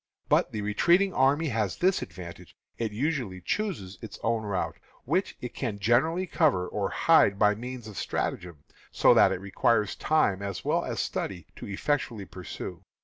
But the retreating army has this advantage; it usually chooses its own route, which it can generally cover or hide by means of stratagem, so that it requires time as well as study to effectually pursue.